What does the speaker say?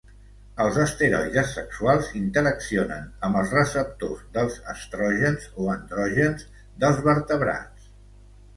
Els esteroides sexuals interaccionen amb els receptors dels estrògens o andrògens dels vertebrats.